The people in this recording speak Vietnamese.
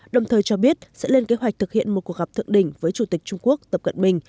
đồng thời cho biết sẽ lên kế hoạch thực hiện một cuộc gặp thượng đỉnh với chủ tịch trung quốc tập cận bình